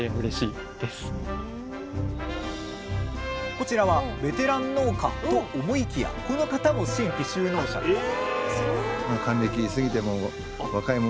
こちらはベテラン農家と思いきやこの方も新規就農者です